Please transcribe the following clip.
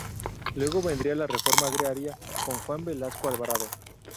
Luego vendría la Reforma Agraria con Juan Velasco Alvarado.